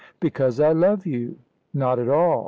"Because I love you." "Not at all.